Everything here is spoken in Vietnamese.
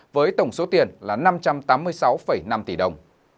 với tổng số tiền là năm trăm tám mươi sáu năm tỷ đồng